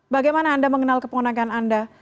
bagaimana anda mengenal keponakan anda